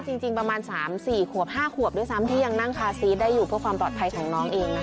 จริงประมาณ๓๔ขวบ๕ขวบด้วยซ้ำที่ยังนั่งคาซีสได้อยู่เพื่อความปลอดภัยของน้องเองนะคะ